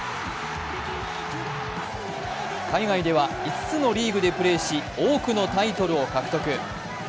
海外では５つのリーグでプレーし、多くのタイトルを獲得。